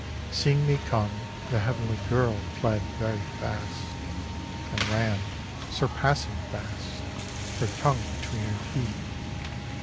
GAZAL. SEEING me come the heavenly girl fled very fast, And ran surpassing fast, her tongue between her teeth.